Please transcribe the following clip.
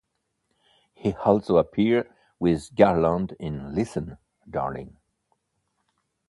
He also appeared with Garland in Listen, Darling.